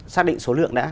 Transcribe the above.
xác định số lượng đã